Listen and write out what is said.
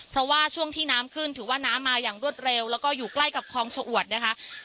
เพราะว่าช่วงที่น้ำขึ้นถือว่าน้ำมาอย่างรวดเร็วแล้วก็อยู่ใกล้กับคลองชะอวดนะคะ